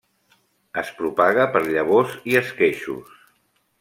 Es propaga per llavors i esqueixos.